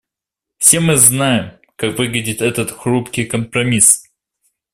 Все мы знаем, как выглядит этот хрупкий компромисс.